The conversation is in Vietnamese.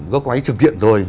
góc máy trực diện rồi